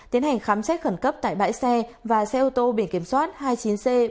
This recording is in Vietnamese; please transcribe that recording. tiến hành khám trách khẩn cấp tại bãi xe và xe ô tô biển kiểm soát hai mươi chín c bốn mươi nghìn bốn trăm sáu mươi ba